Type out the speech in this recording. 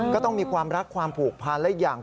ก็ต้องมีความรักความผูกพันและอย่าง